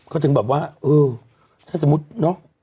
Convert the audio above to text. ก็จึงแบบว่าถ้าสมมุติเนอะ